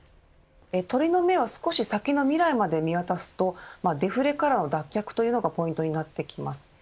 鳥の目は少し先の未来まで見渡すとデフレからの脱却というのがポイントになってきます。